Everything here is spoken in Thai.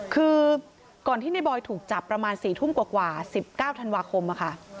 คือก่อนที่ในบอยถูกจับประมาณ๔ทุ่มกว่า๑๙ธันวาคมค่ะ